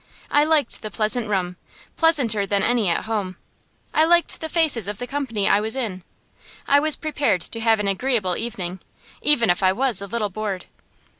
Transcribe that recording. I liked the pleasant room, pleasanter than any at home. I liked the faces of the company I was in. I was prepared to have an agreeable evening, even if I was a little bored.